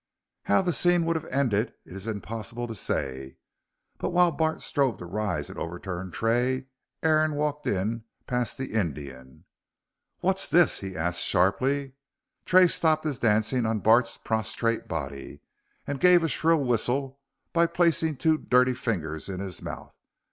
How the scene would have ended it is impossible to say, but while Bart strove to rise and overturn Tray, Aaron walked in past the Indian. "What's this?" he asked sharply. Tray stopped his dancing on Bart's prostrate body and gave a shrill whistle by placing two dirty fingers in his mouth.